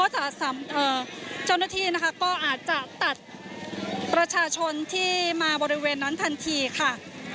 เจ้าหน้าที่นะคะก็อาจจะตัดประชาชนที่มาบริเวณนั้นทันทีค่ะ